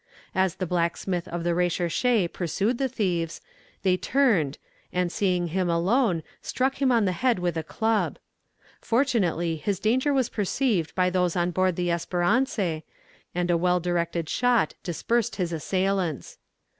As the blacksmith of the Recherche pursued the thieves, they turned, and seeing him alone, struck him on the head with a club. Fortunately his danger was perceived by those on board the Espérance, and a well directed shot dispersed his assaillants.